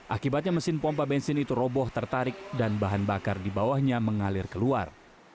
akibatnya mesin pompa bensin itu roboh tertarik dan bahan bakar di bawahnya mengalir keluar